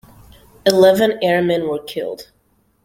Eleven airmen were killed.